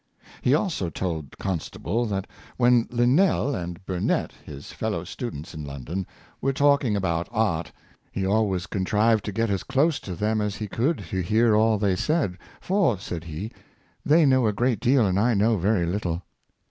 He also told Constable that when Linnell and 350 Martin. Burnett, his fellow students in London, were talking about art, he always contrived to get as close to them as he could to hear all they said, " for," said he, '' they know a great deal, and I know very little."